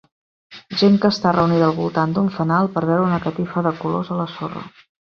Gent que està reunida al voltant d'un fanal per veure una catifa de colors a la sorra